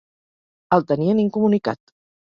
El tenien incomunicat